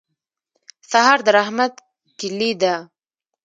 سهار د رحمت کلي ده.